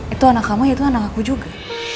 itu anak kamu yaitu anak aku juga